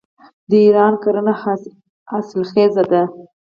د ایران کرنه حاصلخیزه ده.